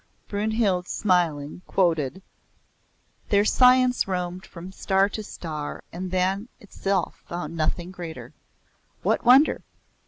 Brynhild, smiling, quoted; "Their science roamed from star to star And than itself found nothing greater. What wonder?